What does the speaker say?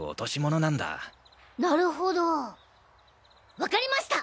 わかりました！